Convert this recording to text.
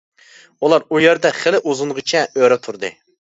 ئۇلار ئۇ يەردە خېلى ئۇزۇنغىچە ئۆرە تۇردى.